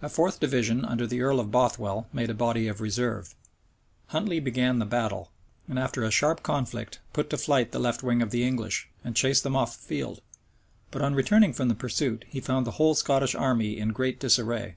A fourth division under the earl of Bothwell made a body of reserve. Huntley began the battle, and, after a sharp conflict, put to flight the left wing of the English, and chased them off the field: but on returning from the pursuit, he found the whole Scottish army in great disorder.